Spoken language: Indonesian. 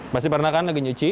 masih pernah kan lagi nyuci